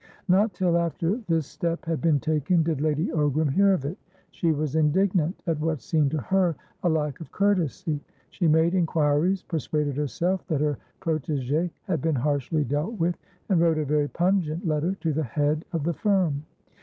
Not till after this step had been taken did Lady Ogram hear of it. She was indignant at what seemed to her a lack of courtesy; she made inquiries, persuaded herself that her protege had been harshly dealt with, and wrote a very pungent letter to the head of the firm.